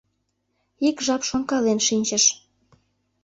Ик жап шонкален шинчыш.